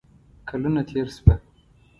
کلونه تیر شوه